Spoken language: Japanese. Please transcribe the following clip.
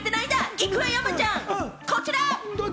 行くわよ、山ちゃん、こっちだ！